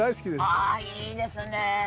わあいいですね。